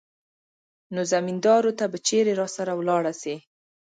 نو زمينداورو ته به چېرې راسره ولاړه سي.